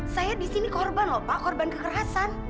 saya di sini korban lho pak korban kekerasan